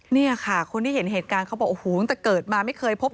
เนี่ยค่ะคนที่เห็นเหตุการณ์เขาบอกโอ้โหตั้งแต่เกิดมาไม่เคยพบ